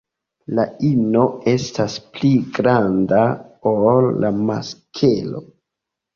La ino estas pli granda ol la masklo.